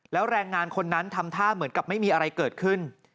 แล้วแรงงานคนนั้นทำท่าเหมือนกับไม่มีอะไรเกิดขึ้น